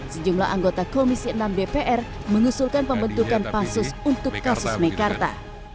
sejumlah anggota komisi enam dpr mengusulkan pembentukan pansus untuk kasus mekarta